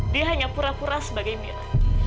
dia hanya pura pura sebagai mira